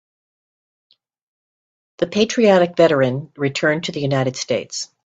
The patriotic veteran returned to the United States.